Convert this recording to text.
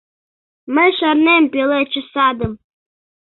МЫЙ ШАРНЕМ ПЕЛЕДШЕ САДЫМ